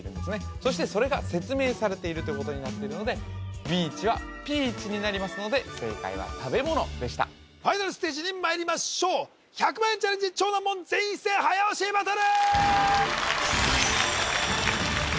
そしてそれが説明されているということになっているのでビーチはピーチになりますので正解は食べ物でしたファイナルステージにまいりましょう１００万円チャレンジ超難問全員一斉早押しバトル！